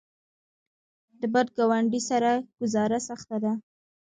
د بد ګاونډي سره ګذاره سخته ده.